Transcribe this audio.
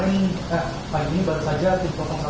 pengibetannya pak kemarin eh pagi ini baru saja